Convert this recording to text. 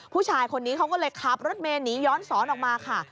ผู้ชายคนนี้เขาก็เลยขับรถเมย์หนีย้อนสอนออกมาค่ะ